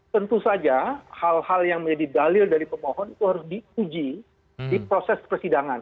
tentu saja hal hal yang menjadi dalil dari pemohon itu harus diuji di proses persidangan